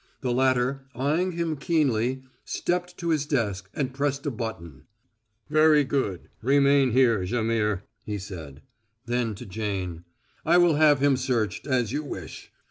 The latter, eying him keenly, stepped to his desk and pressed a button. "Very good; remain here, Jaimihr," he said. Then to Jane: "I will have him searched, as you wish.